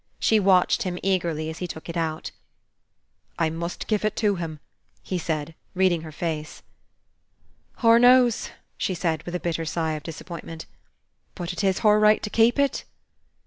She watched him eagerly, as he took it out. "I must gif it to him," he said, reading her face. "Hur knows," she said with a bitter sigh of disappointment. "But it is hur right to keep it."